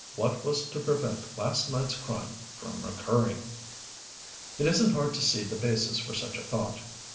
What was to prevent last night's crime from recurring? It isn't hard to see the basis for such a thought.